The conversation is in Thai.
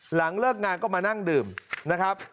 หลังเลิกงานก็มานั่งดื่มนะครับ